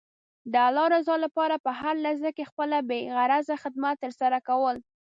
د الله رضا لپاره په هره لحظه کې خپله بې غرضه خدمت ترسره کول.